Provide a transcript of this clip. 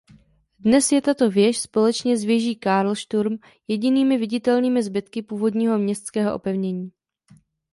Dnes je tato věž společně s věží Karlsturm jedinými viditelnými zbytky původního městského opevnění.